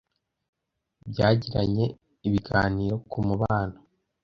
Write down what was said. Byagiranye ibiganiro k’umubano